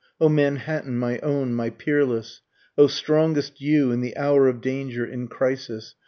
O Manhattan, my own, my peerless! O strongest you in the hour of danger, in crisis!